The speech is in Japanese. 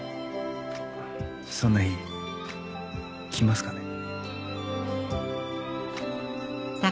そんな日来ますかね？